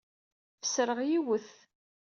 Fesreɣ yiwet.